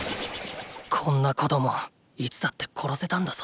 こんな子供いつだって殺せたんだぞ。